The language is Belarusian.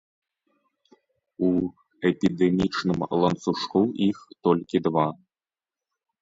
У эпідэмічным ланцужку іх толькі два.